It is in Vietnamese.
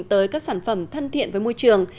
tới các sản phẩm thân thiện với môi trường